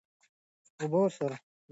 اوبه ورسوه.